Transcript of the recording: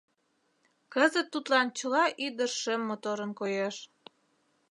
Кызыт тудлан чыла ӱдыр шем моторын коеш.